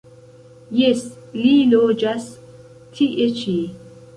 Jes, li loĝas tie ĉi.